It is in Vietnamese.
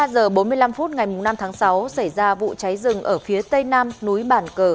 một mươi giờ bốn mươi năm phút ngày năm tháng sáu xảy ra vụ cháy rừng ở phía tây nam núi bản cờ